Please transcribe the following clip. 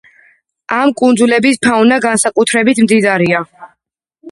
ამ კუნძულების ფაუნა განსაკუთრებით მდიდარია.